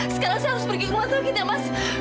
sekarang saya harus pergi ke rumah sakit ya mas